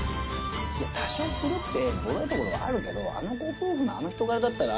多少古くてボロいところはあるけどあのご夫婦のあの人柄だったら。